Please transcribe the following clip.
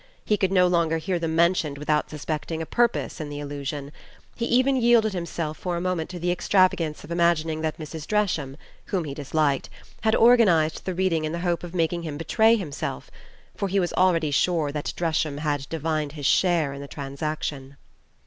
He could no longer hear them mentioned without suspecting a purpose in the allusion; he even yielded himself for a moment to the extravagance of imagining that Mrs. Dresham, whom he disliked, had organized the reading in the hope of making him betray himself for he was already sure that Dresham had divined his share in the transaction.